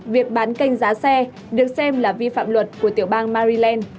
việc bán kênh giá xe được xem là vi phạm luật của tiểu bang maryland